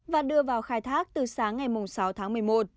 và đưa vào khai thác từ sáng ngày sáu tháng một mươi một